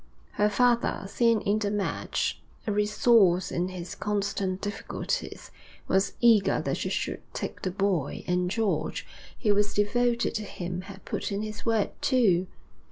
Her father, seeing in the match a resource in his constant difficulties, was eager that she should take the boy, and George, who was devoted to him, had put in his word, too.